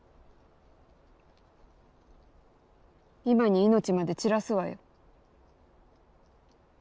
今に命まで散らすわよ。